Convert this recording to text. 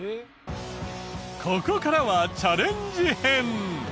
ここからはチャレンジ編。